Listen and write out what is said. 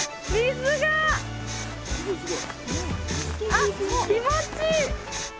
あっ気持ちいい！